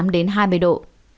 một mươi tám đến hai mươi độ